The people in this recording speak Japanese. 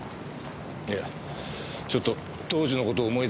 いやちょっと当時の事を思い出してただけです。